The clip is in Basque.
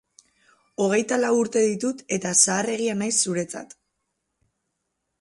Hogeita lau urte ditut eta zaharregia naiz zuretzat.